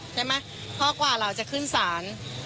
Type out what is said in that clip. ใช่ไหมเพราะกว่าเราจะขึ้นศาล